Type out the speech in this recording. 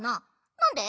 なんで？